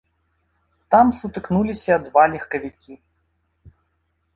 Там сутыкнуліся два легкавікі.